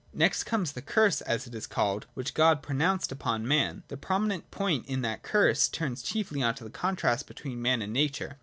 Next comes the Curse, as it is called, which God pro nounced upon man. The prominent point in that curse turns chiefly on the contrast between man and nature.